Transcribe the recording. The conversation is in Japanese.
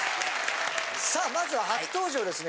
さあまずは初登場ですね